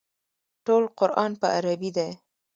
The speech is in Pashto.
ټول قران په عربي دی.